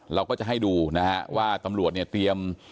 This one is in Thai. เราก็จะให้ดูนะฮะว่าตำรวจเนี่ยเตรียม